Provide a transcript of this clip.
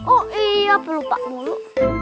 oh iya pelupa mulu